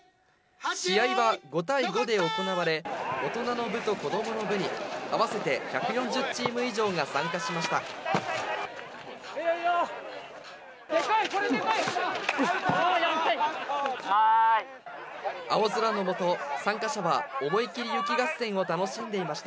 試合は５対５で行われ、大人の部と子どもの部に、合わせて１４０チーム以上が参加しました。